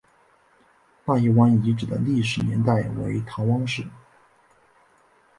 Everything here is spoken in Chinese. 纳业湾遗址的历史年代为唐汪式。